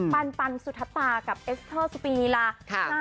ปัลปันสุทาตากับเอสธสุปิณีรา